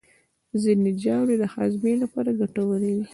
ځینې ژاولې د هاضمې لپاره ګټورې وي.